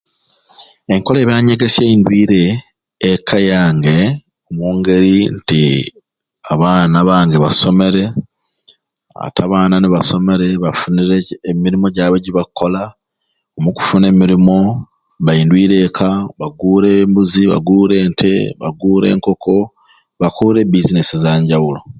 Enkola ya byanyegesya endwire ekka yange omungeri nti abaana bange basomere ate abaana mbasomere bafunire emirumu gyabwe gyibakola omu kufuna emirumu bandwire ekka bagure embuzi bagure ente bagure enkoko bakore e business ezanjawulo